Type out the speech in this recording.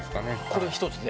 これ１つで？